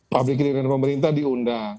pabrik kinerja dan pemerintah diundang